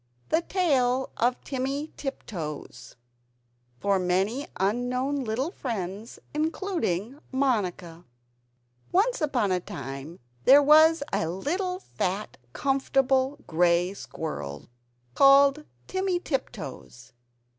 THE TALE OF TIMMY TIPTOES [For Many Unknown Little Friends, Including Monica] Once upon a time there was a little fat comfortable grey squirrel, called Timmy Tiptoes.